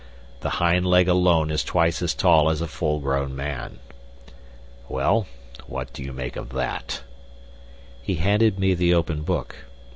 The hind leg alone is twice as tall as a full grown man.' Well, what do you make of that?" He handed me the open book.